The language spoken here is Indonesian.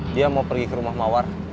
dia mau pergi ke rumah mawar